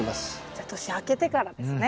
じゃあ年明けてからですね。